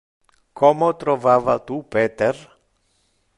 Como trovava tu Peter?